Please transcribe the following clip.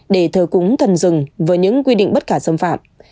để thờ cúng thần rừng với những quy định bất khả xâm phạm